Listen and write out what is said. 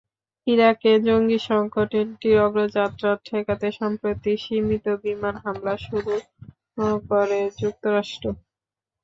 ইরাকে জঙ্গি সংগঠনটির অগ্রযাত্রা ঠেকাতে সম্প্রতি সীমিত বিমান হামলা শুরু করে যুক্তরাষ্ট্র।